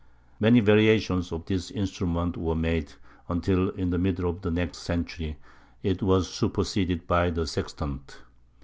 Many variations of this instrument were made, until, in the middle of the next century, it was superseded by the sextant.